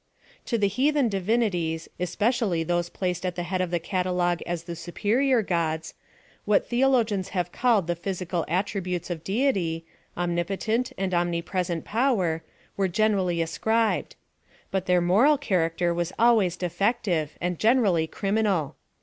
To the heathen divinities, especially those placed at the head of the catalogue as the superior gods, what theologians have called the physical attributes of deity — omnipotent and omnipresent power — were generally ascribed ; but their moral character was always defective, and generally criminal.